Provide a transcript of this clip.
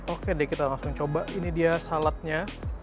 oke deh kita langsung coba ini dia saladnya